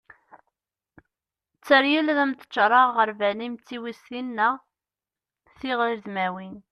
tteryel ad am-d-ččareγ aγerbal-im d tiwiztin neγ tiγredmiwin